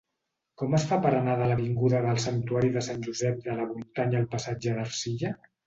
Com es fa per anar de l'avinguda del Santuari de Sant Josep de la Muntanya al passatge d'Ercilla?